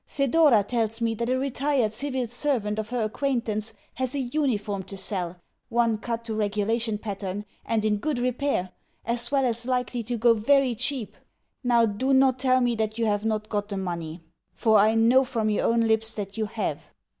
Thedora tells me that a retired civil servant of her acquaintance has a uniform to sell one cut to regulation pattern and in good repair, as well as likely to go very cheap. Now, DO not tell me that you have not got the money, for I know from your own lips that you HAVE.